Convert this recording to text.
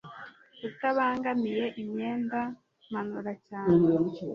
utabangamiye imyenda, manura cyane